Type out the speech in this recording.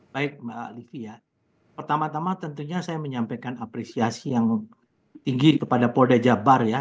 baik mbak livi ya pertama tama tentunya saya menyampaikan apresiasi yang tinggi kepada polda jabar ya